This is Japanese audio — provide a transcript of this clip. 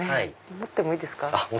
持ってもいいですか？